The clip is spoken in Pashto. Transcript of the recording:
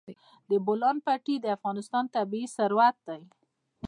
د بولان پټي د افغانستان طبعي ثروت دی.